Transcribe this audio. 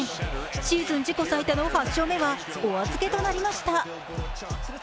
シーズン自己最多の８勝目はお預けとなりました。